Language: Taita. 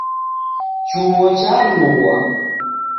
Chuo charughwa.